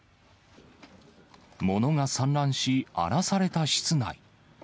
物が散乱し、荒らされた室内。